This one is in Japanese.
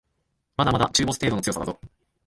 まだまだ中ボス程度の強さだぞ